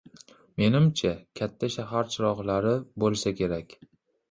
Menimcha, “Katta shahar chiroqlari” bo‘lsa kerak.